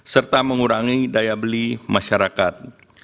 serta mengurangi daya beli masyarakat